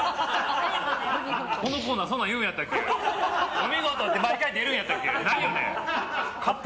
お見事って毎回出るんやったっけ？